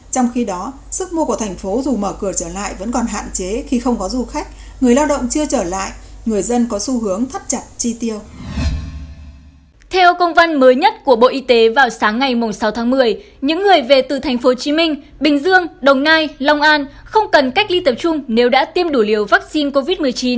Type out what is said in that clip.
theo công văn mới nhất của bộ y tế vào sáng ngày sáu tháng một mươi những người về từ tp hcm bình dương đồng nai long an không cần cách ly tập trung nếu đã tiêm đủ liều vaccine covid một mươi chín